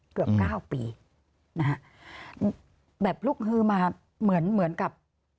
เกือบ๙ปีแบบลูกคือมาเหมือนกับ